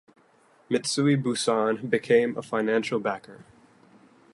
Mitsui Bussan became a financial backer.